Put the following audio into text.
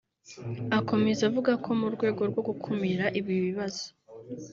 Akomeza avuga ko mu rwego rwo gukumira ibi bibazo